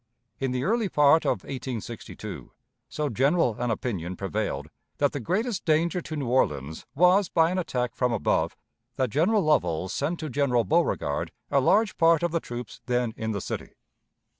In the early part of 1862, so general an opinion prevailed that the greatest danger to New Orleans was by an attack from above, that General Lovell sent to General Beauregard a large part of the troops then in the city.